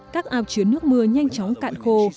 các áo chứa nước mưa nhanh chóng cạn khô